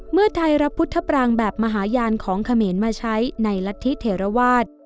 เมื่อไทยรับพุทธปรางแบบมหาญาณของเขมรมาใช้ในรัฐธิเทราวาส